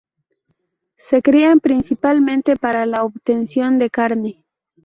Se crían principalmente para la obtención de carne.